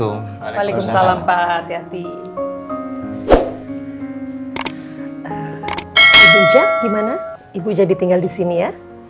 ibu ijah gimana ibu ijah ditinggal di sini ya